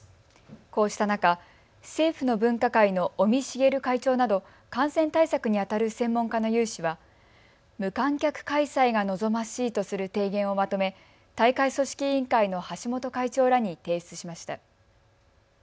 こうした中、政府の分科会の尾身茂会長など感染対策にあたる専門家の有志は無観客開催が望ましいとする提言をまとめ大会組織委員会の橋本会長らに提出しました。